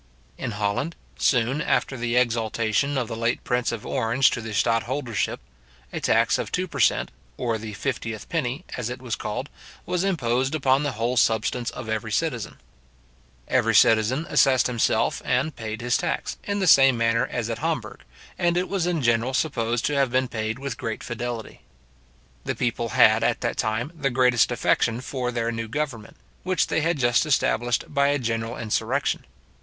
In Holland, soon after the exaltation of the late prince of Orange to the stadtholdership, a tax of two per cent. or the fiftieth penny, as it was called, was imposed upon the whole substance of every citizen. Every citizen assesed himself, and paid his tax, in the same manner as at Hamburg, and it was in general supposed to have been paid with great fidelity. The people had at that time the greatest affection for their new government, which they had just established by a general insurrection.